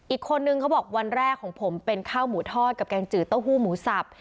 อีกคนนึงเขาบอกวันแรกของผมเป็นข้าวหมูทอดกับแกงจืดเต้าหู้หมูสับ